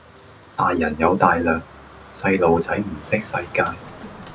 大人有大量，細路仔唔識世界